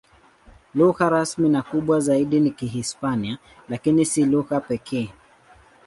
Lugha rasmi na kubwa zaidi ni Kihispania, lakini si lugha pekee.